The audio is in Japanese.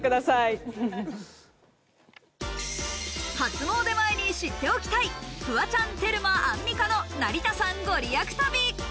初詣前に知っておきたい、フワちゃん、テルマ、アンミカの成田山ご利益旅。